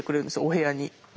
お部屋に。